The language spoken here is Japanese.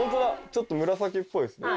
ちょっと紫っぽいですね。